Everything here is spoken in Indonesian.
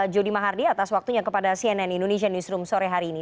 jody mahardi atas waktunya kepada cnn indonesia newsroom sore hari ini